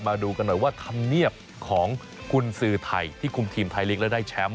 มาดูกันหน่อยว่าธรรมเนียบของกุญสือไทยที่คุมทีมไทยลีกและได้แชมป์